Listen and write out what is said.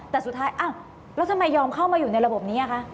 แต่สุดท้ายอ้าวแล้วทำไมยอมเข้ามาอยู่ในระบบนี้คะ